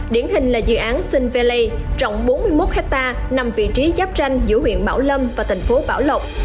điển hình là dự án sinh valley rộng bốn mươi một hectare nằm vị trí giáp tranh giữa huyện bảo lâm và tỉnh phố bảo lộc